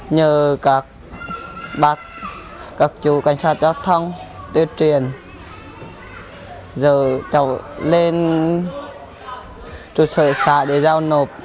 nhờ các chủ cảnh sát giao thông tuyên truyền giờ lên trụ sở xã để giao nộp